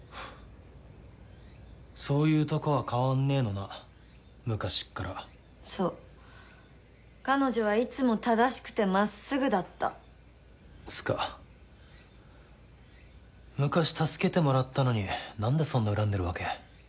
そういうとこは変わんねえのな昔っからそう彼女はいつも正しくてまっすぐだったつか昔助けてもらったのに何でそんな恨んでるわけ？